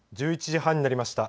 １１時半になりました。